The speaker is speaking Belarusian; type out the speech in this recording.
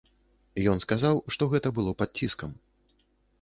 Ён сказаў, што гэта было пад ціскам.